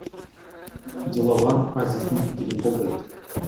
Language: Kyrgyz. Диловар Азиздин пикирин колдойт.